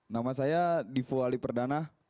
nama saya divo ali perdana